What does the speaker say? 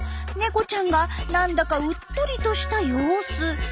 ネコちゃんがなんだかうっとりとした様子。